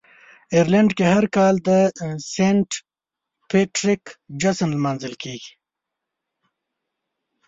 آیرلنډ کې هر کال د "سینټ پیټریک" جشن لمانځل کیږي.